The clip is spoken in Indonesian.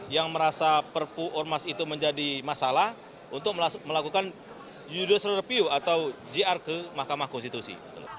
yang merasa perpu ormas itu menjadi masalah untuk melakukan judicial review atau jr ke mahkamah konstitusi